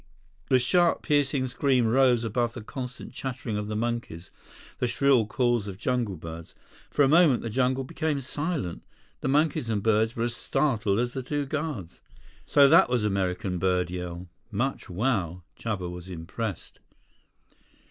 The sharp, piercing scream rose above the constant chattering of the monkeys, the shrill calls of jungle birds. For a moment, the jungle became silent. The monkeys and birds were as startled as the two guards. So that was American bird yell! "Much wow!" Chuba was impressed.